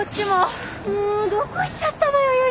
もうどこ行っちゃったのよ